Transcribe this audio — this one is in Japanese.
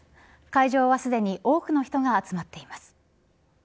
会場はすでに多くの人が集まっています。